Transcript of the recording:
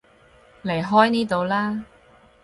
離開呢度啦